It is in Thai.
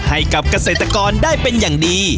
ให้กับเกษตรกรได้เป็นอย่างดี